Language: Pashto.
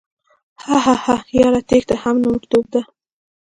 هههههه یاره تیښته هم نرتوب ده